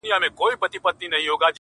خدای ورکړي دوه زامن په یوه شپه وه,